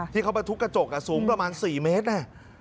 ที่เขามาทุบกระจกสูงประมาณ๔เมตร